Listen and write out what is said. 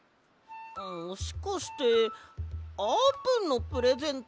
もしかしてあーぷんのプレゼント？